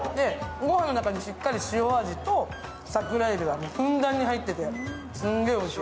ご飯の中にしっかり塩味と桜えびがふんだんに入っててすげえおいしい。